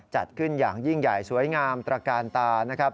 จัดขึ้นอย่างยิ่งใหญ่สวยงามตระกาลตานะครับ